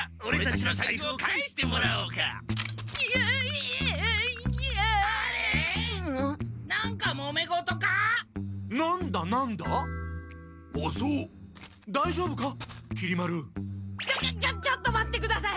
ちょちょちょちょっと待ってください！